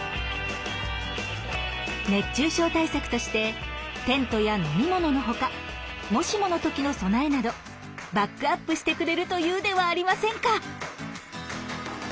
熱中症対策としてテントや飲み物のほかもしもの時の備えなどバックアップしてくれるというではありませんか。